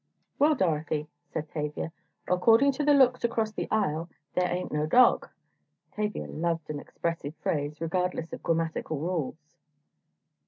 "Well, Dorothy," said Tavia, "according to the looks across the aisle 'there ain't no dog,'" Tavia loved an expressive phrase, regardless of grammatical rules.